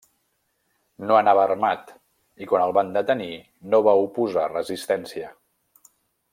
No anava armat i quan el van detenir no va oposar resistència.